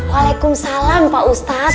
waalaikumsalam pak ustadz